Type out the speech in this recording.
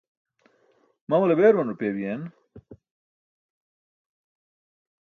mamale beeruman rupaya biyen?